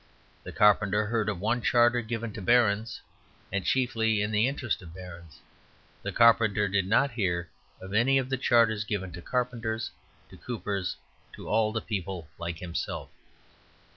The carpenter heard of one charter given to barons, and chiefly in the interest of barons; the carpenter did not hear of any of the charters given to carpenters, to coopers, to all the people like himself.